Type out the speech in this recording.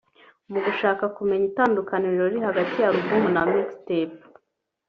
Mu gushaka kumenya itandukaniro riri hagati ya album na mixtape